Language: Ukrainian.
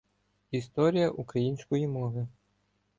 Історія української мови